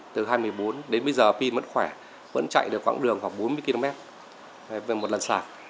từ hai mươi bốn đến bây giờ pin vẫn khỏe vẫn chạy được khoảng đường khoảng bốn mươi km về một lần sạc